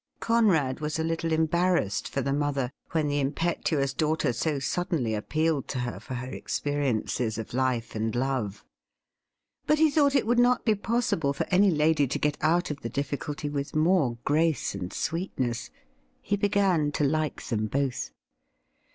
Conrad was a little embarrassed for the mother when the impetuous daughter so suddenly appealed to her for her experiences of life and love. But he thought it would not be possible for any lady to get out of the difficulty with more grace and sweetness. He began to like them both.